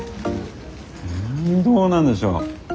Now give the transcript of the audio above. うんどうなんでしょう。